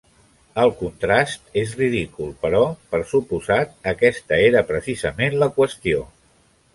El contrast és ridícul però, per suposat, aquesta era precisament la qüestió.